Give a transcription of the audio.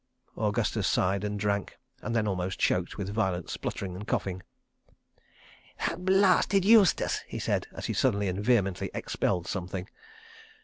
Augustus sighed and drank—and then almost choked with violent spluttering and coughing. "That blasted Eustace!" he said, as he suddenly and vehemently expelled something.